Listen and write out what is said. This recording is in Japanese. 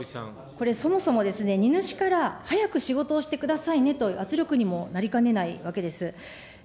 これ、そもそも、荷主から早く仕事をしてくださいねと、圧力にもなりかねないわけです。